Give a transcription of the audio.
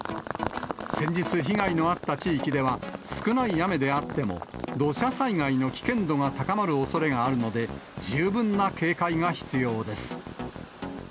先日被害のあった地域では、少ない雨であっても、土砂災害の危険度が高まるおそれがあるので、十分な警戒が必要です。